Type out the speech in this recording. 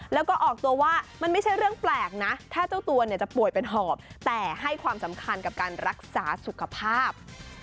แล้วก็ออกตัวว่ามันไม่ใช่เรื่องแปลกนะถ้าเจ้าตัวเนี่ยจะป่วยเป็นหอบแต่ให้ความสำคัญกับการรักษาสุขภาพ